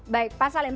baik pak salim